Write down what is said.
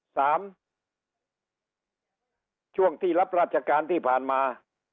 สามช่วงที่รับราชการที่ผ่านมา